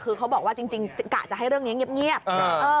คือเขาบอกว่าจริงกะจะให้เรื่องนี้เงียบ